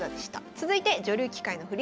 続いて女流棋界の振り